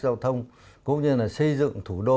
giao thông cũng như là xây dựng thủ đô